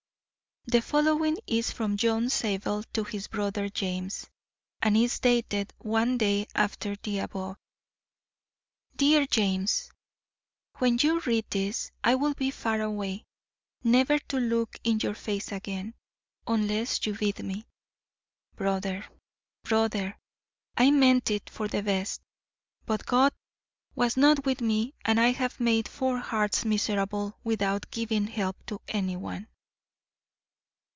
The following is from John Zabel to his brother James, and is dated one day after the above: DEAR JAMES: When you read this I will be far away, never to look in your face again, unless you bid me. Brother, brother, I meant it for the best, but God was not with me and I have made four hearts miserable without giving help to anyone.